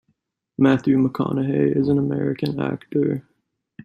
Matthew McConaughey is an American actor.